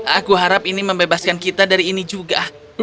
aku harap ini membebaskan kita dari ini juga